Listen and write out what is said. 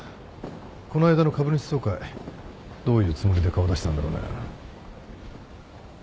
この間の株主総会どういうつもりで顔出したんだろうな。